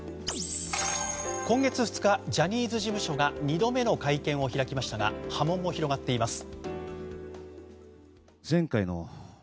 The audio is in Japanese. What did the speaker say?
今月２日、ジャニーズ事務所が２度目の会見を開きましたが波紋も広がっています。